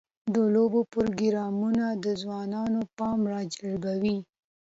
د لوبو پروګرامونه د ځوانانو پام راجلبوي.